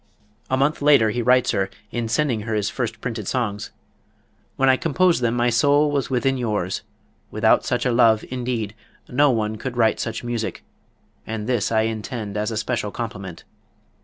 A month later he writes her, in sending her his first printed songs: "When I composed them my soul was within yours; without such a love, indeed, no one could write such music and this I intend as a special compliment."